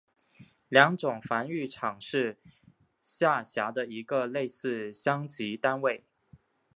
良种繁育场是下辖的一个类似乡级单位。